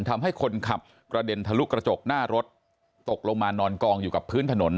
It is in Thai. ทำให้คนขับกระเด็นทะลุกระจกหน้ารถตกลงมานอนกองอยู่กับพื้นถนน